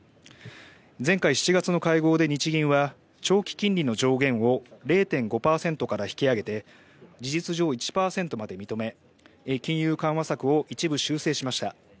前回７月の会合で、日銀は長期金利の上限を０．５％から引き上げて事実上１％まで認め金融緩和策を一部修正しました。